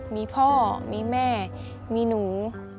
มีพ่อมีแม่มีหนู